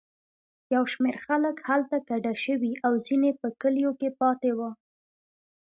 یو شمېر خلک هلته کډه شوي او ځینې په کلیو کې پاتې وو.